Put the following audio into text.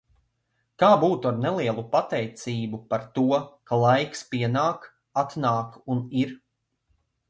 Kā būtu ar nelielu pateicību par to, ka laiks pienāk, atnāk un ir?